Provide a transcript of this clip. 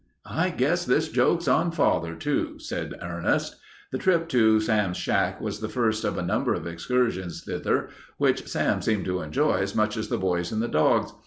"I guess this joke's on father, too," said Ernest. This trip to Sam's shack was the first of a number of excursions thither which Sam seemed to enjoy as much as the boys and the dogs.